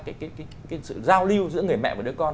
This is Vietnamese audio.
cái sự giao lưu giữa người mẹ và đứa con